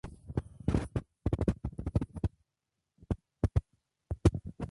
Poseyó un castillo, del que hoy únicamente sobrevive una torre de vigilancia.